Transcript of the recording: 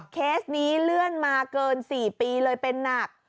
เคสนี้เลื่อนมาเกิน๔ปีเลยเป็นหนัก